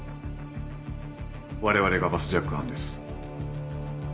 われわれがバスジャック犯です。